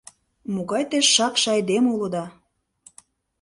Могай те шакше айдеме улыда!